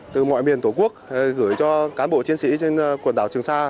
từ mọi miền tổ quốc gửi cho cán bộ chiến sĩ trên quần đảo trường sa